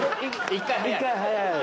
１回早い。